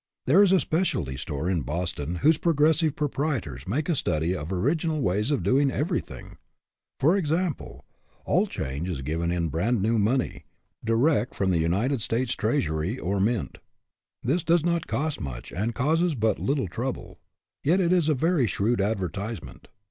There is a specialty store in Boston whose progressive proprietors make a study of orig inal ways of doing everything. For example, all change is given in brand new money, direct from the United States treasury or mint. This does not cost much, and causes but little trouble, yet it is a very shrewd advertisement.